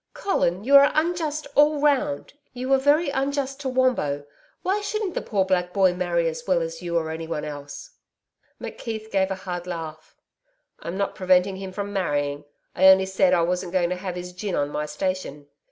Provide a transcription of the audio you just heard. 'Colin, you are unjust all round. You were very unjust to Wombo. Why shouldn't the poor black boy marry as well as you or anyone else?' McKeith gave a hard laugh. 'I'm not preventing him from marrying. I only said I wasn't going to have his gin on my station.'